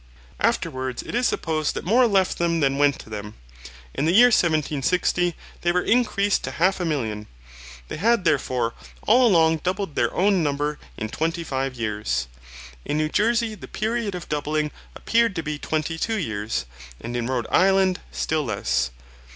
Afterwards, it is supposed that more left them than went to them. In the year 1760, they were increased to half a million. They had therefore all along doubled their own number in twenty five years. In New Jersey the period of doubling appeared to be twenty two years; and in Rhode island still less.